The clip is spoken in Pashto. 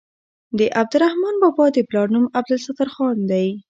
د عبدالرحمان بابا د پلار نوم عبدالستار خان دی.